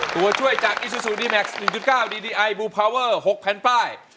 ตัวช่วยจากอีซูซูดีแม็กซ์หนึ่งจุดเก้าดีดีไอบูพาเวอร์หกแผ่นป้าย